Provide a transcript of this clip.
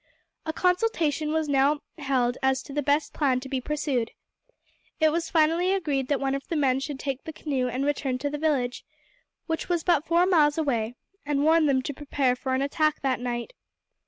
A consultation was now held as to the best plan to be pursued. It was finally agreed that one of the men should take the canoe and return to the village, which was but four miles away, and warn them to prepare for an attack that night.